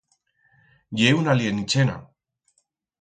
Ye un alienichena.